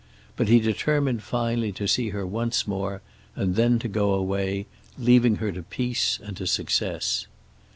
But he determined finally to see her once more, and then to go away, leaving her to peace and to success.